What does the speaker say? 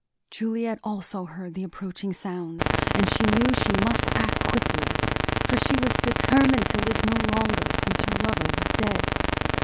Juliet also heard the approaching sounds, and knew she must act quickly; for she was determined to live no longer, since her lover was dead.